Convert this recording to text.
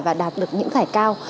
và đạt được những giải cao